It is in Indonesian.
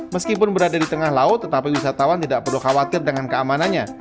meskipun berada di tengah laut tetapi wisatawan tidak perlu khawatir dengan keamanannya